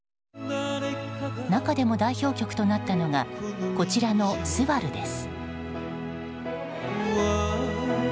中でも代表曲となったのがこちらの「昴」です。